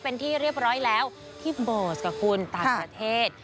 เป็นที่เรียบร้อยแล้วที่โบสกับคุณต่างประเทศ